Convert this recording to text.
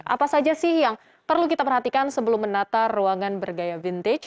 apa saja sih yang perlu kita perhatikan sebelum menata ruangan bergaya vintage